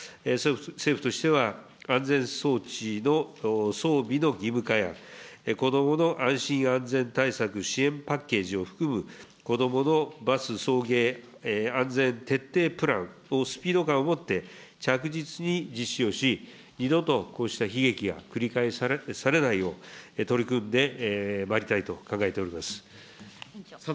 政府としては、安全装置の装備の義務化や、子どもの安心安全対策支援パッケージを含む、子どものバス送迎安全徹底プランをスピード感を持って着実に実施をし、二度とこうした悲劇が繰り返されないよう、取り組んでまいりたいと考えております。